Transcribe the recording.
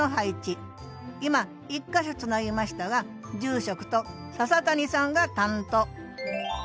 今１か所つなぎましたが住職と笹谷さんが担当。